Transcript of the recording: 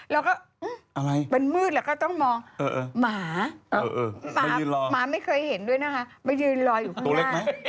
แล้วก็มันมืดแล้วก็ต้องมองหมาหมาไม่เคยเห็นด้วยนะคะมายืนรออยู่ข้างหน้า